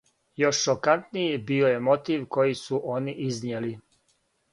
Још шокантнији био је мотив који су они изнијели.